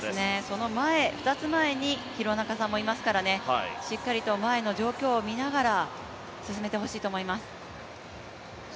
その２つ前に廣中さんもいますから、しっかりと前の状況を見ながら進めてほしいと思います。